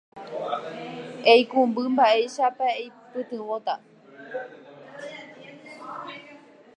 Aikévo pe kotyg̃uahẽháme aipe'a pe ovetã.